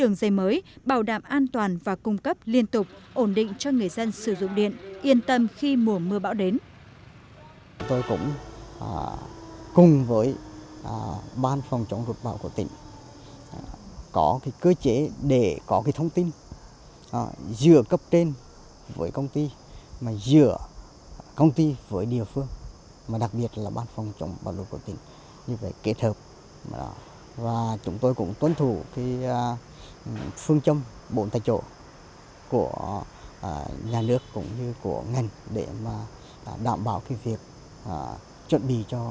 đường dây mới bảo đảm an toàn và cung cấp liên tục ổn định cho người dân sử dụng điện yên tâm khi mùa mưa bão đến